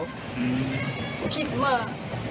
ผมคิดมาก